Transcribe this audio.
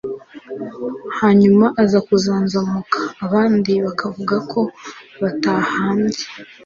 hanyuma akaza kuzanzamuka. Abandi bakavuga ko batahambye